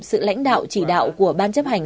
sự lãnh đạo chỉ đạo của ban chấp hành